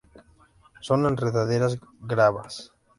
Son enredaderas glabras.